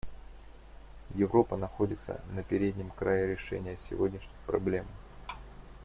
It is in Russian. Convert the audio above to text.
Европа находится на переднем крае решения сегодняшних проблем.